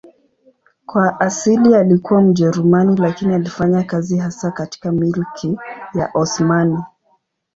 Kwa asili alikuwa Mjerumani lakini alifanya kazi hasa katika Milki ya Osmani.